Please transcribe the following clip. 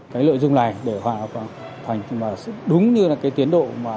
cái lợi dụng này để hoàn thành đúng như là cái tiến độ